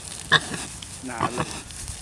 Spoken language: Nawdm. Naalam.